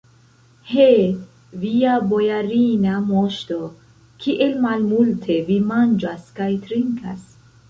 He, via bojarina moŝto, kiel malmulte vi manĝas kaj trinkas!